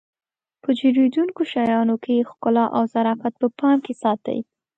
په جوړېدونکو شیانو کې ښکلا او ظرافت په پام کې ساتي.